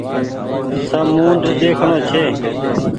سمونڌ ۮيکڻو ڇي